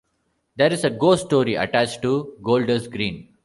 There is a ghost story attached to Golders Green.